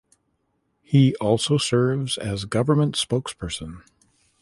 He also serves as government spokesperson.